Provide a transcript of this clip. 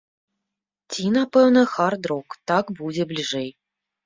Ці, напэўна, хард-рок, так будзе бліжэй.